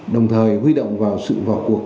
đồng thời huy động vào sự vào cuộc